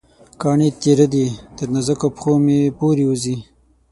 کاڼې تېره دي، تر نازکو پښومې پورې وځي